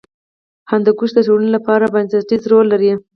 هندوکش د ټولنې لپاره بنسټیز رول لري.